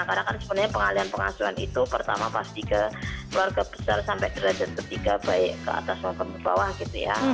karena kan sebenarnya pengalian pengasuhan itu pertama pasti ke keluarga besar sampai derajat ketiga baik ke atas atau ke bawah gitu ya